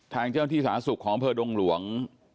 ทางเจ้าที่สาธารณสุขของอำเภอดงหลวง